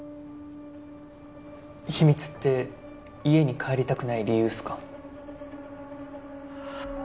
秘密って家に帰りたくない理由っすか？